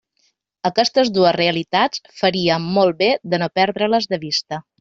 Aquestes dues realitats faríem molt bé de no perdre-les de vista.